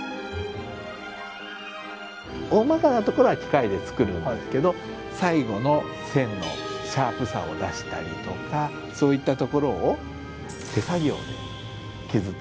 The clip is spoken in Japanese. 大まかなところは機械で造るんですけど最後の線のシャープさを出したりとかそういったところを手作業で削っていくんですね。